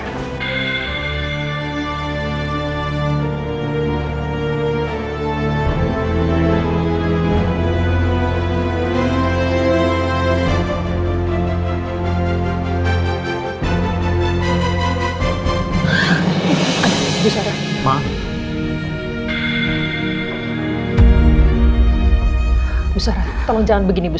waalaikumsalam warahmatullahi wabarakatuh